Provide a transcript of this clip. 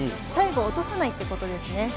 最後、落とさないところですね。